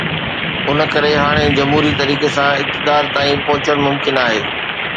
ان ڪري هاڻي جمهوري طريقي سان اقتدار تائين پهچڻ ممڪن آهي.